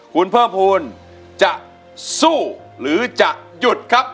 คุณเพิ่มภูมิจะสู้หรือจะหยุดครับ